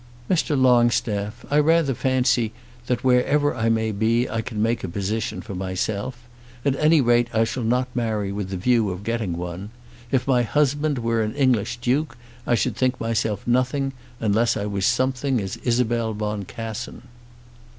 "Mr. Longstaff, I rather fancy that wherever I may be I can make a position for myself. At any rate I shall not marry with the view of getting one. If my husband were an English Duke I should think myself nothing, unless I was something as Isabel Boncassen."